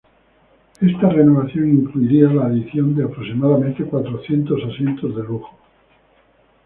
Esta renovación incluiría la adición de aproximadamente cuatrocientos asientos de lujo.